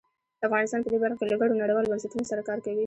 افغانستان په دې برخه کې له ګڼو نړیوالو بنسټونو سره کار کوي.